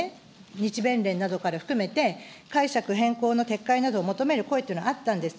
日弁連などから含めて、解釈変更の撤回などを求める声というのはあったんです。